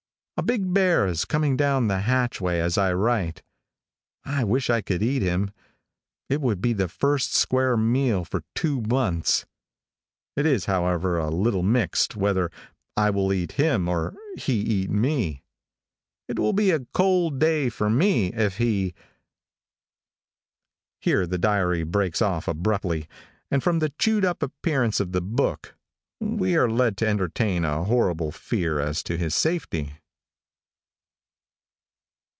A big bear is coming down the hatchway, as I write. I wish I could eat him. It would be the first square meal for two months. It is, however, a little mixed whether I will eat him or he eat me. It will be a cold day for me if he Here the diary breaks off abruptly, and from the chewed up appearance of the book, we are led to entertain a horrible fear as to his safety.